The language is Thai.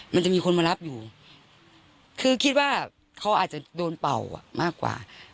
มันจะมีคนมารับอยู่คือคิดว่าเขาอาจจะโดนเป่ามากกว่า